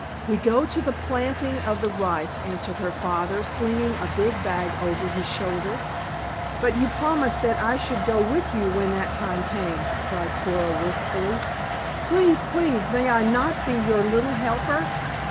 "We go to the planting of the rice," answered her father, slinging a big bag over his shoulder. "But you promised that I should go with you when that time came?" cried Coora wistfully. "Please, please may I not be your little helper?"